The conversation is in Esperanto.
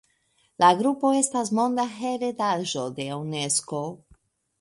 La grupo estas Monda heredaĵo de Unesko.